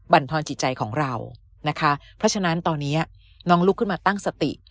บรรทอนจิตใจของเรานะคะเพราะฉะนั้นตอนนี้น้องลุกขึ้นมาตั้งสติ